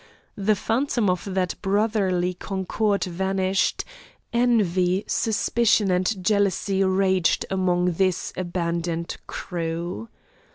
The phantom of that brotherly concord vanished; envy, suspicion, and jealousy raged among this abandoned crew.